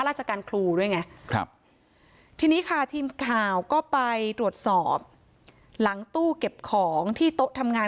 อาจารย์ครูด้วยไงครับทีนี้ค่ะทีมข่าวก็ไปตรวจสอบหลังตู้เก็บของที่โต๊ะทำงาน